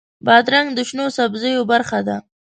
بادرنګ د شنو سبزیو برخه ده.